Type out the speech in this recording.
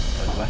masa dulu pak